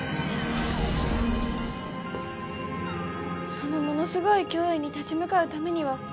そのものすごい脅威に立ち向かうためには。